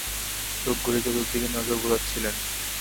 চোখ ঘুরিয়ে চতুর্দিকে নজর বুলাচ্ছিলেন।